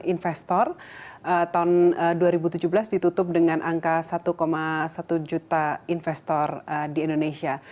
investor tahun dua ribu tujuh belas ditutup dengan angka satu satu juta investor di indonesia